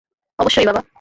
অবশ্যই, বাবা।